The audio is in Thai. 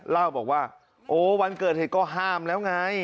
เล่าบอกว่าโอ้วันเกิดเหตุก็ห้ามแล้วไง